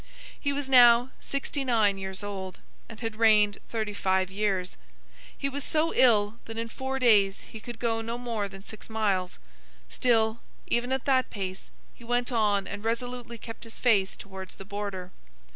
He was now sixty nine years old, and had reigned thirty five years. He was so ill, that in four days he could go no more than six miles; still, even at that pace, he went on and resolutely kept his face towards the Border.